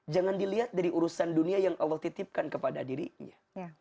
jangan dilihat dari urusan dunia yang allah titipkan kepada dirinya